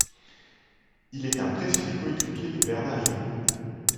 Il est un précieux coéquipier de Bernard Hinault.